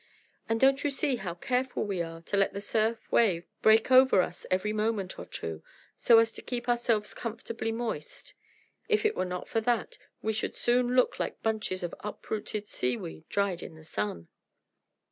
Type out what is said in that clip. And don't you see how careful we are to let the surf wave break over us every moment or two, so as to keep ourselves comfortably moist? If it were not for that, we should soon look like bunches of uprooted seaweed dried in the sun."